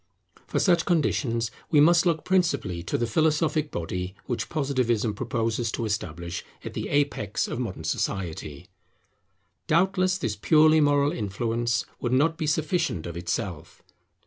For such conditions we must look principally to the philosophic body which Positivism proposes to establish at the apex of modern society. Doubtless this purely moral influence would not be sufficient of itself.